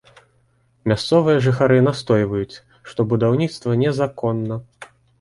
Мясцовыя жыхары настойваюць, што будаўніцтва незаконна.